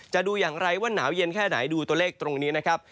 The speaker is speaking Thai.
ดูอย่างไรว่าหนาวเย็นแค่ไหนดูตัวเลขตรงนี้นะครับ